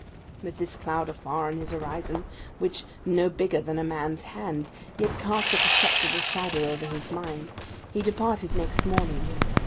With this cloud afar on his horizon, which, though no bigger than a man's hand, yet cast a perceptible shadow over his mind, he departed next morning.